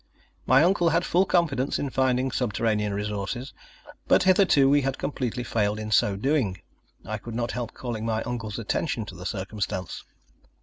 My uncle had full confidence in finding subterranean resources, but hitherto we had completely failed in so doing. I could not help calling my uncle's attention to the circumstance.